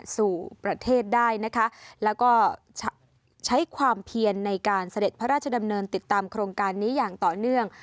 สู่ประเทศได้นะคะแล้วก็ใช้ความเพียนในการเสด็จพระราชดำเนินติดตามโครงการนี้อย่างต่อเนื่อง